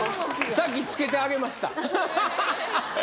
さっき着けてあげましたははは